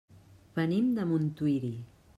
Venim de Montuïri.